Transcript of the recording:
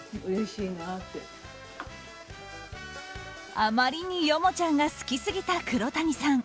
あまりにヨモちゃんが好きすぎた黒谷さん。